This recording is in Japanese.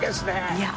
いや。